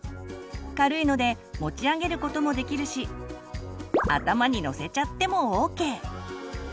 軽いので持ち上げることもできるし頭にのせちゃってもＯＫ！